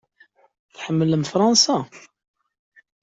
Tḥemmlem Fṛansa?